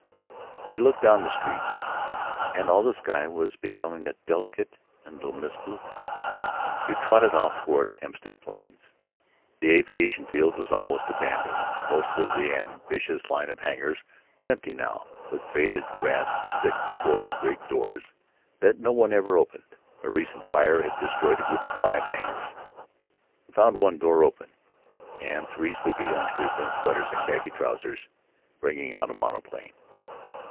But he looked down the street, and all the sky was becoming a delicate and luminous blue. He trotted off toward Hempstead Plains. The Aviation Field was almost abandoned. Most of the ambitious line of hangars were empty, now, with faded grass thick before the great doors that no one ever opened. A recent fire had destroyed a group of five hangars. He found one door open, and three sleepy youngsters in sweaters and khaki trousers bringing out a monoplane.